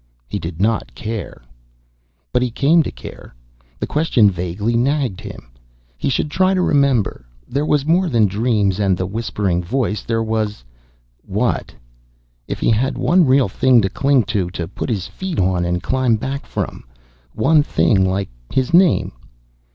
He did not care. But he came to care, the question vaguely nagged him. He should try to remember. There was more than dreams and the whispering voice. There was what? If he had one real thing to cling to, to put his feet on and climb back from One thing like his name.